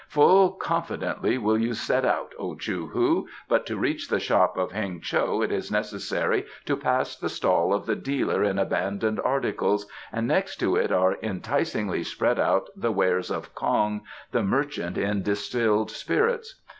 "Full confidently will you set out, O Chou hu, but to reach the shop of Heng cho it is necessary to pass the stall of the dealer in abandoned articles, and next to it are enticingly spread out the wares of Kong, the merchant in distilled spirits.